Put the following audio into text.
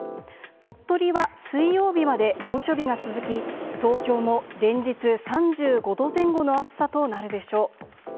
鳥取は水曜日まで猛暑日が続き、東京も連日、３５度前後の暑さとなるでしょう。